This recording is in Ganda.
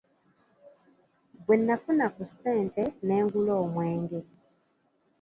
Bwe nnafuna ku ssente ne ngula omwenge.